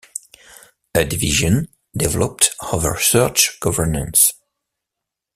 A division developed over church governance.